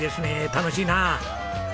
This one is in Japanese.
楽しいな。